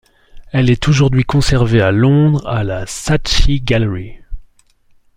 Elle est aujourd'hui conservée à Londres à la Saatchi Gallery.